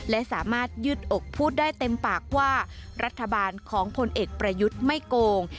และสามารถยืดอกพูดได้เต็มปากว่ารัฐบาลของพลเอกประยุทธ์ไม่โกง